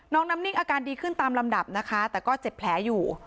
น้องน้ำนิ่งอาการดีขึ้นตามลำดับนะคะแต่ก็เจ็บแผลอยู่